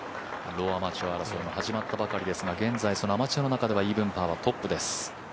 ローアマチュア争いも始まったばかりですが現在、アマチュアの中ではイーブンパーはトップです。